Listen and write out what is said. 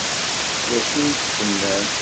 D acu i d-tennam?